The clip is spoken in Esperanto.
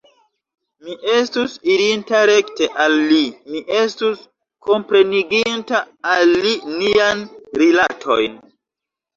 Mi estus irinta rekte al li; mi estus kompreniginta al li niajn rilatojn.